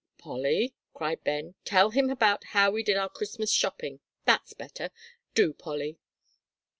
"Polly," cried Ben, "tell about how we did our Christmas shopping, that's better. Do, Polly."